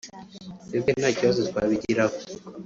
“twebwe nta kibazo twabigiraho